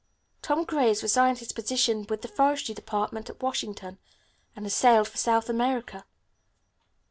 Tom Gray has resigned his position with the Forestry Department at Washington, and has sailed for South America.